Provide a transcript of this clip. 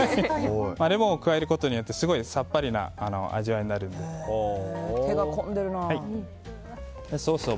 レモンを加えることによってすごいさっぱりな手が込んでるな。